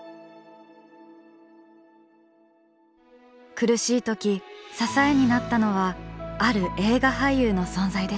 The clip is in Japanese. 苦しいとき支えになったのはある映画俳優の存在でした。